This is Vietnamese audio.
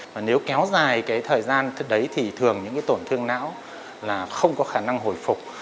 và nếu kéo dài cái thời gian đấy thì thường những cái tổn thương não là không có khả năng hồi phục